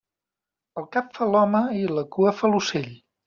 El cap fa l'home i la cua fa l'ocell.